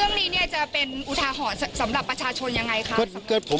เรื่องนี้เนี่ยจะเป็นอุทาหรณ์สำหรับประชาชนยังไงคะ